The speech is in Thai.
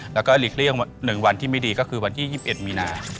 แล้วก็หลีกเลี่ยง๑วันที่ไม่ดีก็คือวันที่๒๑มีนา